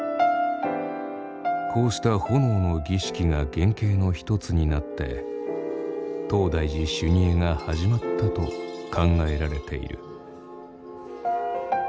こうした炎の儀式が原型の一つになって東大寺修二会が始まったと考えられている。